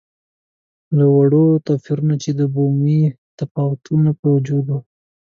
له وړو توپیرونو چې د بومي تفاوتونو په وجه وو.